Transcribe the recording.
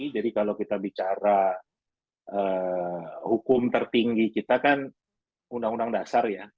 jadi kalau kita bicara hukum tertinggi kita kan undang undang dasar ya